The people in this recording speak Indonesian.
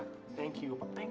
terima kasih pak